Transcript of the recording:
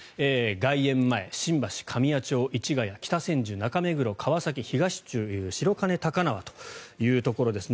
外苑前、新橋、神谷町、市ヶ谷北千住、中目黒、川崎東府中、白金高輪というところです。